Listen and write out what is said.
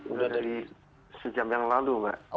udah dari sejam yang lalu mbak